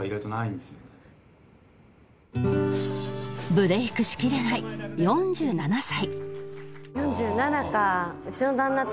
ブレイクしきれない４７歳